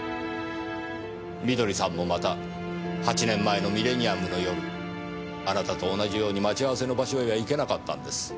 美登里さんもまた８年前のミレニアムの夜あなたと同じように待ち合わせの場所へは行けなかったんです。